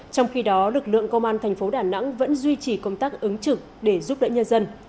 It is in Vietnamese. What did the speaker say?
trong khi đó lực lượng công an thành phố đà nẵng vẫn duy trì công tác ứng trực để giúp đỡ nhân dân